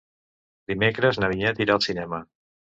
Dimecres na Vinyet irà al cinema.